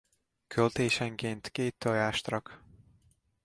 Költésenként két tojást rak.